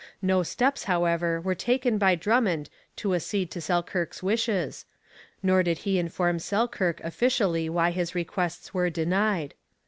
No steps, however, were taken by Drummond to accede to Selkirk's wishes, nor did he inform Selkirk officially why his requests were denied.